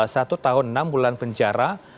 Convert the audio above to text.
satu tahun enam bulan penjara